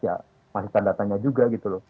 ya masih standartanya juga